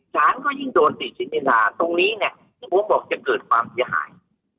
ศาลก็ยิ่งโดนติดชิ้นมินทราตรงนี้เนี่ยที่ผมบอกจะเกิดความพิหาย